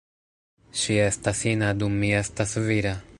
Ŝi estas ina dum mi estas vira.